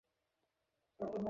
পুরো জীবণ মনে রাখবো এই নাম্বার।